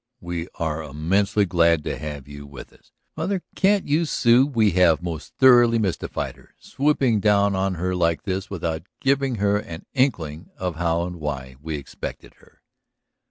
We are immensely glad to have you with us. ... Mother, can't you see we have most thoroughly mystified her; swooping down on her like this without giving her an inkling of how and why we expected her?"